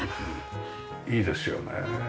いいですよね。